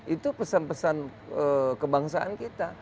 itu pesan pesan kebangsaan kita